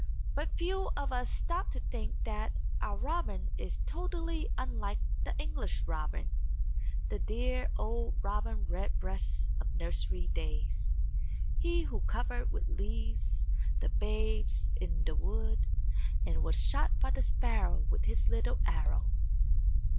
But few of us stop to think that our robin is totally unlike the English robin, the dear old Robin Redbreast of nursery days; he who covered with leaves the Babes in the Wood and was shot by the Sparrow with his little arrow!